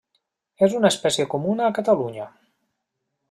És una espècie comuna a Catalunya.